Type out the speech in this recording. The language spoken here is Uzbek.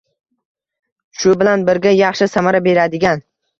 shu bilan birga yaxshi samara beradigan